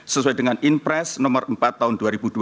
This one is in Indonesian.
sesuai dengan inpres no empat tahun dua ribu dua puluh dua